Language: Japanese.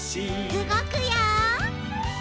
うごくよ！